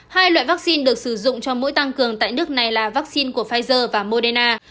hai loại vaccine được sử dụng cho mỗi tăng cường tại nước này là vaccine của pfizer và moderna